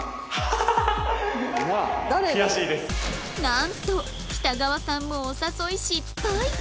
なんと北川さんもお誘い失敗